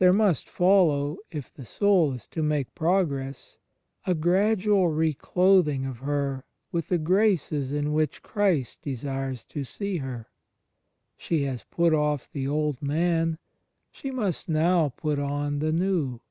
There must follow, if the soul is to make progress, a gradual reclothbg of her with the graces m which Christ desires to see her. She has put off the "old man"; she must now put on " the new."